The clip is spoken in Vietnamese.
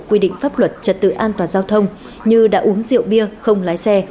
việc tuân thủ quy định pháp luật trật tự an toàn giao thông như đã uống rượu bia không lái xe